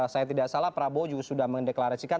saya tidak salah prabowo juga sudah mendeklarasikan